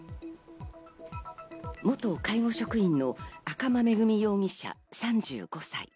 元介護職員の赤間恵美容疑者、３５歳。